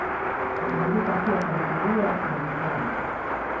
Aliandika pia tamthilia na vitabu.